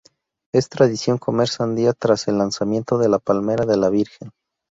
Es tradición comer sandía tras el lanzamiento de la Palmera de la Virgen.